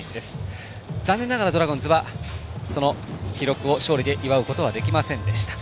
残念ながらその記録を勝利で祝うことはできませんでした。